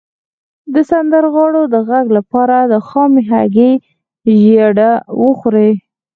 د سندرغاړو د غږ لپاره د خامې هګۍ ژیړ وخورئ